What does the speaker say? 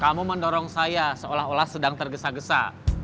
kamu mendorong saya seolah olah sedang tergesa gesa